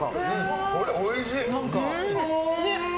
これ、おいしい！